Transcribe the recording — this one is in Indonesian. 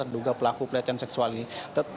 duga pelaku pelecehan seksual ini